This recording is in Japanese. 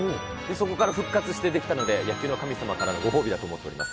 そこから復活してできたので、野球の神様からのご褒美だと思っております。